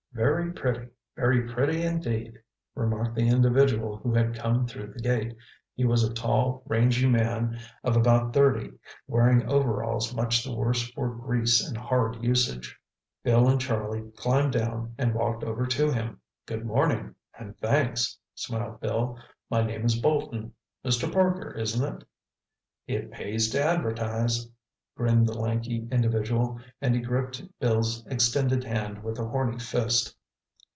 "Very pretty, very pretty indeed!" remarked the individual who had come through the gate. He was a tall, rangy man of about thirty, wearing overalls much the worse for grease and hard usage. Bill and Charlie climbed down and walked over to him. "Good morning, and thanks," smiled Bill. "My name is Bolton. Mr. Parker, isn't it?" "It pays to advertise," grinned the lanky individual, and he gripped Bill's extended hand with a horny fist.